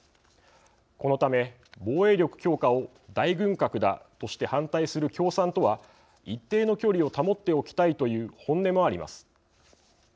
このため、防衛力強化を大軍拡だとして反対する共産とは一定の距離を保っておきたいという本音もあります。